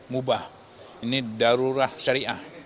mubah ini darurah syariah